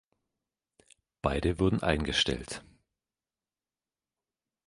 Beide wurden eingestellt.